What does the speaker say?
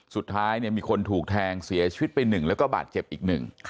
สุดท้ายมีคนถูกแทงเสียชีวิตไป๑แล้วก็บาดเจ็บอีก๑